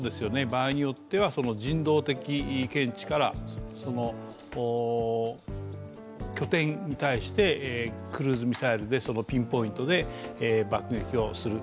場合によっては人道的見地から拠点に対して、クルーズミサイルでピンポイントで爆撃をする。